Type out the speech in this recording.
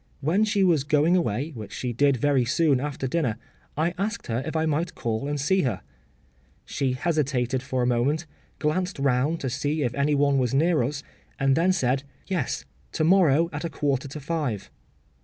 When she was going away, which she did very soon after dinner, I asked her if I might call and see her. She hesitated for a moment, glanced round to see if any one was near us, and then said, “Yes; to morrow at a quarter to five.